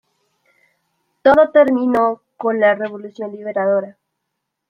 Todo terminó con la Revolución Libertadora.